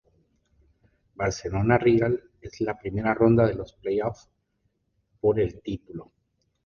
Barcelona Regal en la primera ronda de los playoffs por el título.